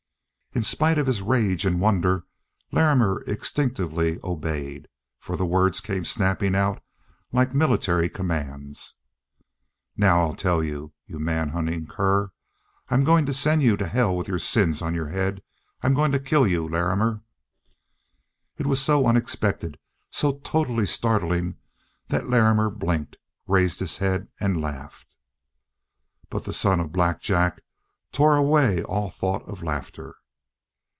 In spite of his rage and wonder, Larrimer instinctively obeyed, for the words came snapping out like military commands. "Now I'll tell you. You manhunting cur, I'm going to send you to hell with your sins on your head. I'm going to kill you, Larrimer!" It was so unexpected, so totally startling, that Larrimer blinked, raised his head, and laughed. But the son of Black Jack tore away all thought of laughter.